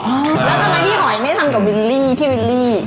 แล้วทำไมพี่หอยไม่ทำกับวิลลี่พี่วิลลี่